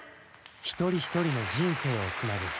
一人一人の人生をつなぐ。